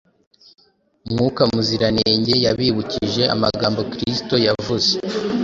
Mwuka Muziranenge yabibukije amagambo Kristo yavuze